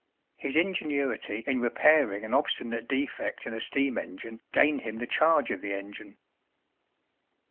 His ingenuity in repairing an obstinate defect in a steam engine gained him the charge of the engine.